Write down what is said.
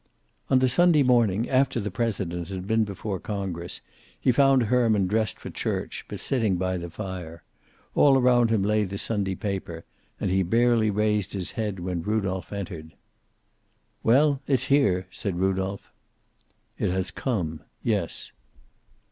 On the Sunday morning after the President had been before Congress, he found Herman dressed for church, but sitting by the fire. All around him lay the Sunday paper, and he barely raised his head when Rudolph entered. "Well, it's here!" said Rudolph. "It has come. Yes."